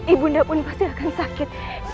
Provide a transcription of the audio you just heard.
ibu nek pun pasti akan sakit